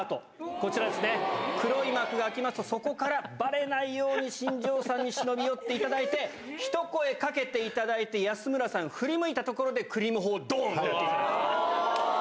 こちらですね、黒い幕が開きますと、そこからばれないように新庄さんに忍び寄っていただいて、一声かけていただいて、安村さん、振り向いたところで、クリーム砲をどん！とやっていただく。